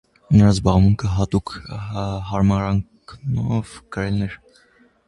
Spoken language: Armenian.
Նրա զբաղմունքը հատուկ հարմարանքով գրելն էր։